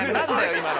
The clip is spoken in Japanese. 今の。